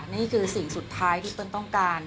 นี่คือสิ่งสุดท้ายที่เปิ้ลต้องการ